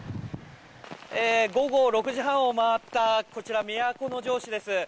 午後６時半を回った都城市です。